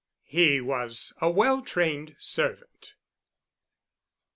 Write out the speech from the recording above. He was a well trained servant.